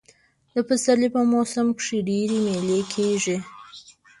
د پسرلي په موسم کښي ډېرئ مېلې کېږي.